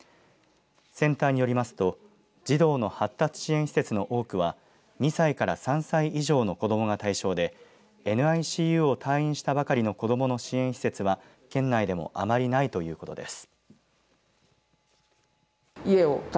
センターによりますと児童の発達支援施設の多くは２歳から３歳以上の子どもが対象でＮＩＣＵを退院したばかりの子どもの支援施設は県内でもあまりないということです。